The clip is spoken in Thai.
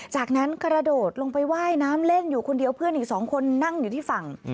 จากนั้นกระโดดลงไปว่ายน้ำเล่นอยู่คนเดียวเพื่อนอีก๒คนนั่งอยู่ที่ฝั่ง